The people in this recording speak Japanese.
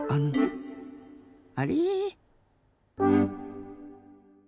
あれ？